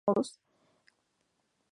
Filemón Arribas Arranz.